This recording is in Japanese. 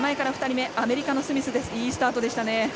アメリカのスミスいいスタートでしたね。